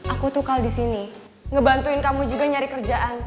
aku tukal disini ngebantuin kamu juga nyari kerjaan